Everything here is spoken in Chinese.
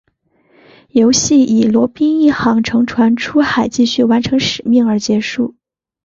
游戏以罗宾一行乘船出海继续完成使命而结束。